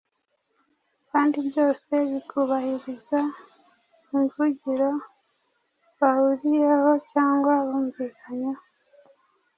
kandi byose bikubahiriza imvugiro bahuriyeho cyangwa bumvikanyeho.